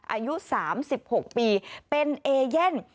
อายุ๓๖ปีเป็นเอเย่น